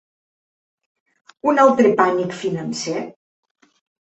Un altre pànic financer?